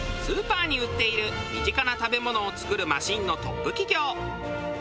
スーパーに売っている身近な食べ物を作るマシンのトップ企業。